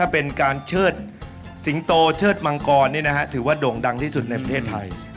เป็นการเชิดสิงโตเชิดมังกรถือว่าโด่งดังที่สุดในประเทศไทย